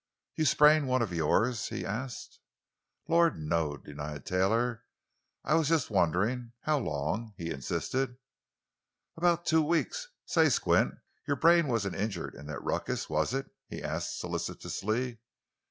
"You sprain one of yours?" he asked. "Lord, no!" denied Taylor. "I was just wondering. How long?" he insisted. "About two weeks. Say, Squint, your brain wasn't injured in that ruckus, was it?" he asked solicitously.